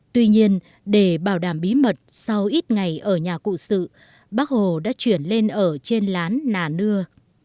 tuy nhiên để bảo đảm bí mật sau ít ngày ở nhà cụ sự bác hồ đã chuyển lên ở trên lán nà nưa